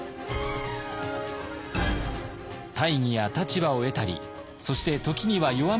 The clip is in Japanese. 大義や立場を得たりそして時には弱みを見せたり。